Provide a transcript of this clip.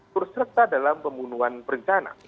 terserta dalam pemubuhan berencana